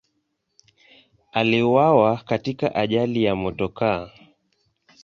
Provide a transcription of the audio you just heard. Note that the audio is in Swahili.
Aliuawa katika ajali ya motokaa.